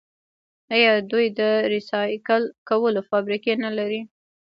آیا دوی د ریسایکل کولو فابریکې نلري؟